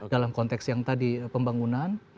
dalam konteks yang tadi pembangunan